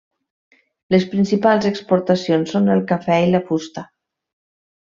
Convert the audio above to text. Les principals exportacions són el cafè i la fusta.